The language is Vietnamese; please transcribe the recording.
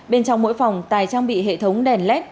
bên trong mỗi phòng tài trang bị hệ thống đèn led